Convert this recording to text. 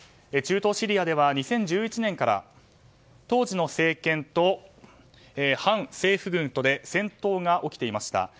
中東シリアでは２０１１年から当時の政権と反政府軍とで戦闘が起きていました。